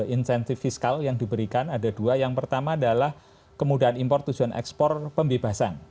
insentif fiskal yang diberikan ada dua yang pertama adalah kemudahan impor tujuan ekspor pembebasan